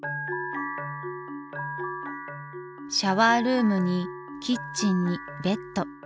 シャワールームにキッチンにベッド。